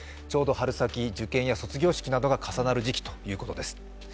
ちょうど春先、受験や卒業式などが重なる時期とされています。